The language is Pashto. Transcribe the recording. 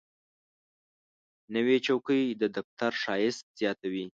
نوې چوکۍ د دفتر ښایست زیاتوي